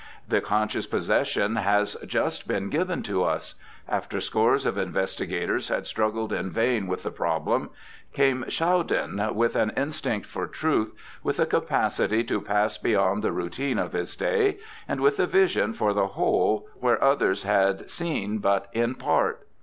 The conscious possession has just been given to us. After scores of investigators had struggled in vain with the problem, came Schaudinn with an instinct for truth, with a capacity to pass beyond the routine of his day, and with a vision for the whole where others had seen but in part.